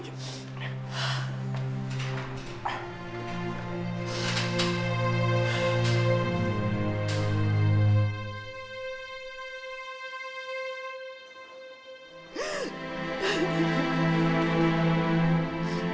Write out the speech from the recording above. aku di sini makasih